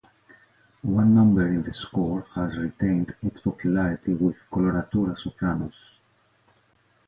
One number in the score has retained its popularity with coloratura sopranos.